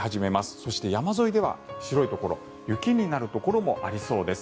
そして山沿いでは白いところ雪になるところもありそうです。